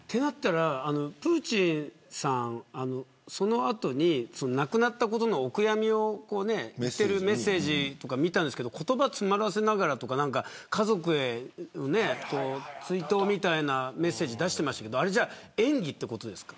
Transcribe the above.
プーチンさんが、その後に亡くなったことに対するお悔やみとか見たんですけど言葉を詰まらせながらとか家族への追悼みたいなメッセージを出していましたけどあれは演技ということですか。